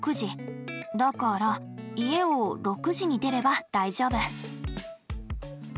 だから家を６時に出れば大丈夫。